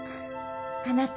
あなた。